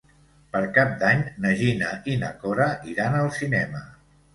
Per Cap d'Any na Gina i na Cora iran al cinema.